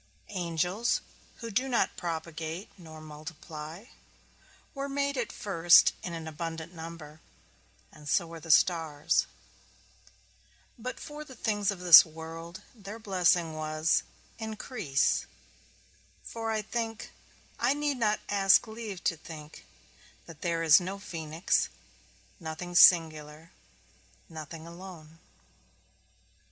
Angels, who do not propagate nor multiply, were made at first in an abundant number, and so were stars; but for the things of this world, their blessing was, Increase; for I think, I need not ask leave to think, that there is no phoenix; nothing singular, nothing alone.